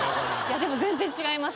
でも全然違います